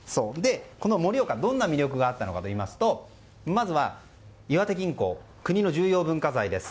盛岡、どんな魅力があったかといいますとまずは岩手銀行国の重要文化財です。